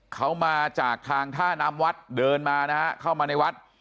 เขามาจากทางท่าน้ำวัดเดินมานะฮะเข้ามาในวัด